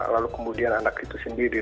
lalu kemudian anak itu sendiri